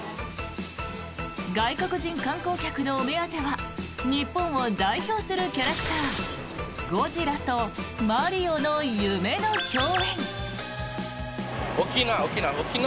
外国人観光客のお目当ては日本を代表するキャラクターゴジラとマリオの夢の共演。